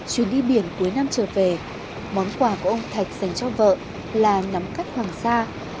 chuyến đi biển cuối năm trở về món quà của ông thạch dành cho vợ là nắm cắt hoàng sa